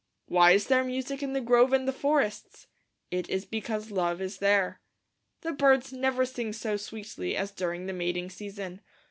Why is there music in the grove and the forest? It is because love is there. The birds never sing so sweetly as during the mating season.